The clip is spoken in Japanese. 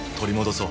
そう！